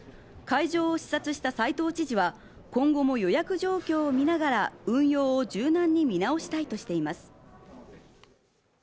会場を視察した斎藤知事は今後も予約状況を見ながら、運用を柔軟に見直したいとしています。